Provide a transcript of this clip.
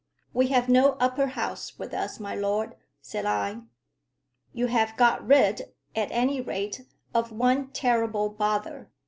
"We have no Upper House with us, my lord," said I. "You have got rid, at any rate, of one terrible bother.